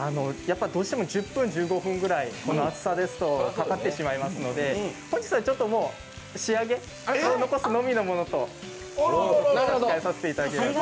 どうしても１０分、１５分ぐらいこの厚さですとかかってしまうので本日はちょっと仕上げを残すのみのものと差し替えさせていただきます。